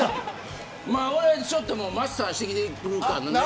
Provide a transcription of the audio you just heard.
俺もちょっとマスターしてきてるかも。